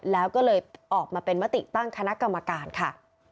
แล้วก็เลยออกมาเป็นมติตั้งคณะกรรมการค่ะ